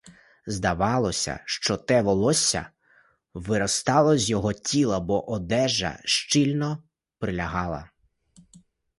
Здавалося, що те волосся виростало з його тіла, бо одежа щільно прилягала.